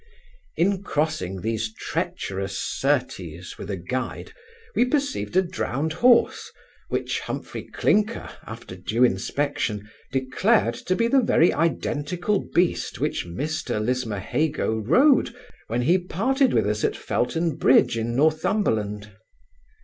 In crossing these treacherous Syrtes with a guide, we perceived a drowned horse, which Humphry Clinker, after due inspection, declared to be the very identical beast which Mr Lismahago rode when he parted with us at Feltonbridge in Northumberland.